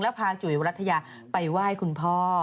พาจุ๋ยวรัฐยาไปไหว้คุณพ่อ